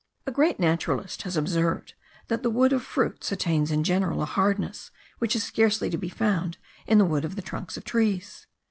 A great naturalist has observed, that the wood of fruits attains in general a hardness which is scarcely to be found in the wood of the trunks of trees.